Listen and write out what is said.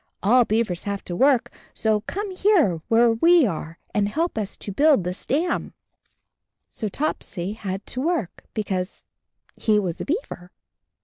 All beavers have to work, so come here where we are and help us to build this dam." So Topsy had to work because he was a beaver.